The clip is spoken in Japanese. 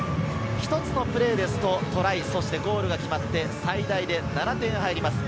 一つのプレーですと、トライとゴールが決まって最大で７点入ります。